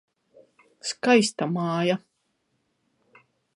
Skaista māja.